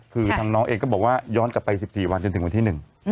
คือทางน้องเองก็บอกว่าย้อนกลับไป๑๔วันจนถึงวันที่๑